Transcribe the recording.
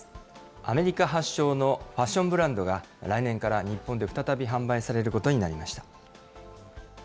アメリカ発祥のファッションブランドが、来年から日本で再び販売されることになりました。